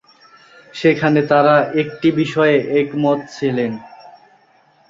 সেখানে তারা একটি বিষয়ে একমত ছিলেন।